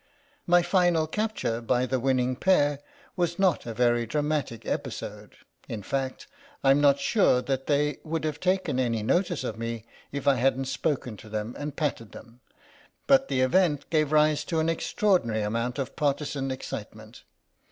My final capture by the winning pair was not a very dramatic episode, in fact, Tm not sure that they would have taken any notice of me if I hadn't spoken to them and patted them, but the event gave rise to an extraordinary amount of partisan excite ment.